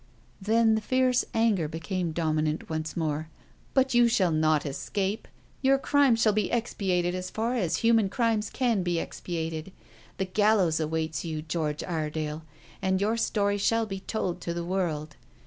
Then the fierce anger became dominant once more. "But you shall not escape. Your crime shall be expiated as far as human crimes can be expiated. The gallows awaits you, George Iredale, and your story shall be told to the world.